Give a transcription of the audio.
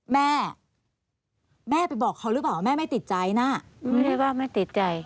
แม่แม่ไปบอกเขาหรือเปล่าแม่ไม่ติดใจนะไม่ใช่ว่าไม่ติดใจ